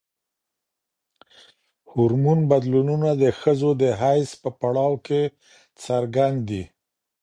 هورمون بدلونونه د ښځو د حیض په پړاو کې څرګند دي.